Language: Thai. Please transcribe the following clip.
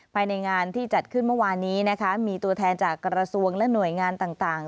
ภายในงานที่จัดขึ้นเมื่อวานนี้นะคะมีตัวแทนจากกระทรวงและหน่วยงานต่าง